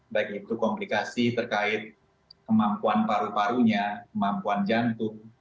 baik itu komplikasi terkait kemampuan paru parunya kemampuan jantung